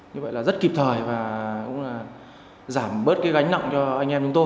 như vậy là rất kịp thời và cũng là giảm bớt cái gánh nặng cho anh em chúng tôi